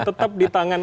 tetap di tangan